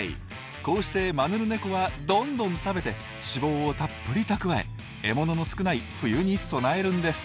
こうしてマヌルネコはどんどん食べて脂肪をたっぷり蓄え獲物の少ない冬に備えるんです。